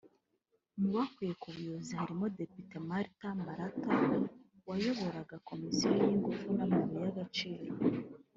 Mu bakuwe ku buyobozi harimo Depite Martha Mlata wayoboraga komisiyo y’Ingufu n’amabuye y’agaciro